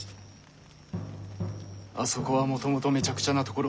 あそこはもともとめちゃくちゃなところ。